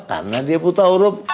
karena dia buta urup